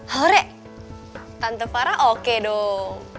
halo re tante farah oke dong